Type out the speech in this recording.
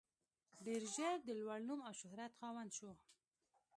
ډېر ژر د لوړ نوم او شهرت خاوند شو.